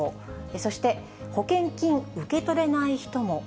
そして、保険金、受け取れない人も。